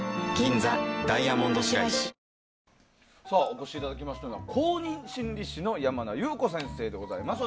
お越しいただきましたのは公認心理師の山名裕子先生でございます。